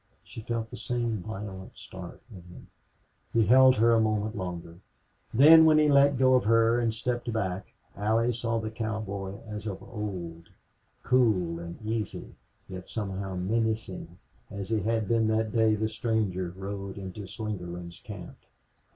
She felt the same violent start in him. He held her a moment longer. Then, when he let go of her and stepped back Allie saw the cowboy as of old, cool and easy, yet somehow menacing, as he had been that day the strangers rode into Slingerland's camp.